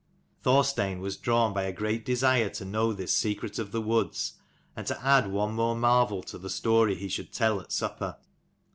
Thorstein was drawn by a great desire to know this secret of the woods, and to add one more marvel to the story he should tell at supper.